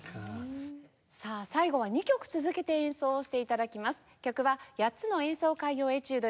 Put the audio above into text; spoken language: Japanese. さあ最後は２曲続けて演奏をして頂きます。